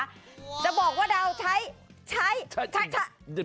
จะบอกว่าดาวใช้ใช้ใช้